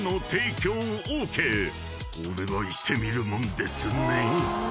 ［お願いしてみるもんですね］